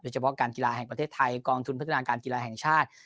เฉพาะการกีฬาแห่งประเทศไทยกองทุนพัฒนาการกีฬาแห่งชาติ